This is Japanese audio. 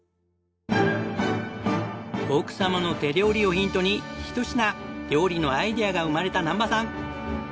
奥様の手料理をヒントにひと品料理のアイデアが生まれた難波さん。